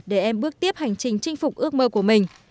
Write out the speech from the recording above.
để em bước tiếp hành trình chinh phục ước mơ của mình